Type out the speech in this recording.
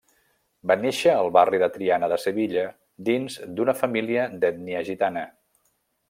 Va néixer al barri de Triana de Sevilla dins d'una família d'ètnia gitana.